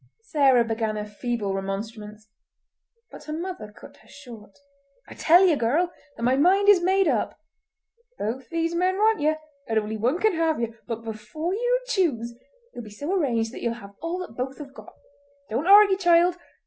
Sarah began a feeble remonstrance, but her mother cut her short. "I tell ye, girl, that my mind is made up! Both these men want ye, and only one can have ye, but before ye choose it'll be so arranged that ye'll have all that both have got! Don't argy, child!